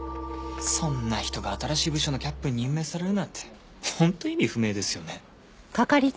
そんな人が新しい部署のキャップに任命されるなんて本当意味不明ですよね。